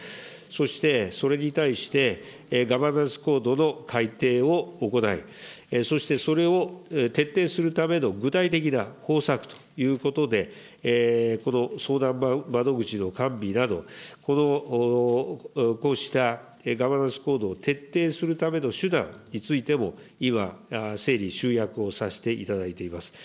そして、それに対して、ガバナンスコードの改訂を行い、そしてそれを徹底するための具体的な方策ということで、この相談窓口の完備など、こうしたガバナンスコードを徹底するための手段についても、今、整理、集約をさせていただいております。